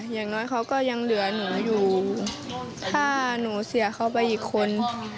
อย่างน้อยเขาก็ยังเหลือหนูอยู่ถ้าหนูเสียเขาไปอีกคน